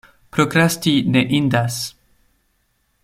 Prokrasti ne indas.